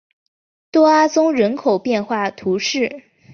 多阿宗人口变化图示